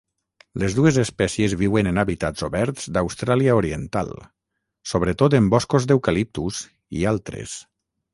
Les dues espècies viuen en hàbitats oberts d'Austràlia Oriental, sobretot en boscos d'eucaliptus i altres.